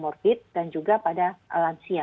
morbid dan juga pada lansia